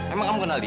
emang kamu kenal dia